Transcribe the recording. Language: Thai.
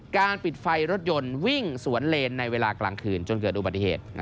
การปิดไฟรถยนต์วิ่งสวนเลนในเวลากลางคืนจนเกิดอุบัติเหตุ